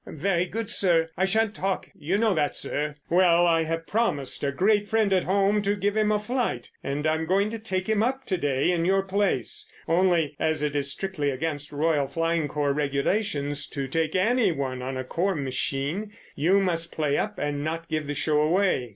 "Very good, sir. I shan't talk, you know that, sir." "Well, I have promised a great friend at home to give him a flight, and I'm going to take him up to day in your place—only as it is strictly against the Royal Flying Corps regulations to take anyone on a Corps machine, you must play up and not give the show away."